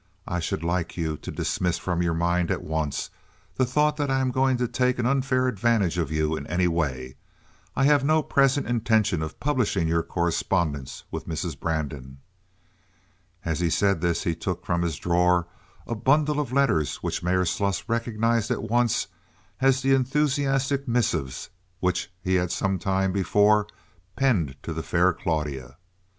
I should like you to dismiss from your mind at once the thought that I am going to take an unfair advantage of you in any way. I have no present intention of publishing your correspondence with Mrs. Brandon." (As he said this he took from his drawer a bundle of letters which Mayor Sluss recognized at once as the enthusiastic missives which he had sometime before penned to the fair Claudia.